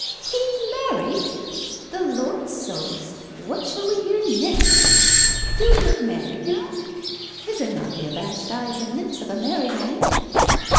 'He married! The Lord so 's, what shall we hear next? Do he look married now? His are not the abashed eyes and lips of a married man.